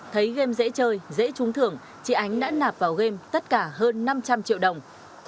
thấy game dễ chơi dễ trúng thưởng chị ánh đã nạp vào game tất cả hơn năm trăm linh triệu đồng